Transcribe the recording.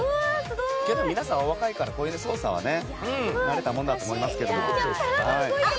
皆さん、お若いからこういう操作は慣れたものだと思いますが。